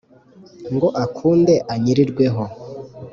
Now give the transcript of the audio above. ngo akunde anyirirwe ho ;